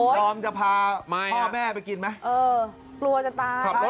ดอมจะพาพ่อแม่ไปกินไหมเออกลัวจะตาย